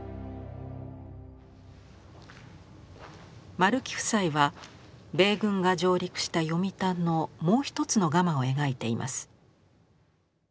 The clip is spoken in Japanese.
丸木夫妻は米軍が上陸した読谷のもう一つのガマを描いています。